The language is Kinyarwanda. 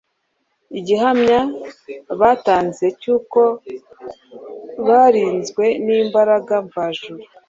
Igihamya batanze cy’uko barinzwe n’imbaraga mvajuru